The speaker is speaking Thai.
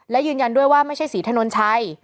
และยืนยันด้วยว่าไม่ใช่ศรีถนนชัย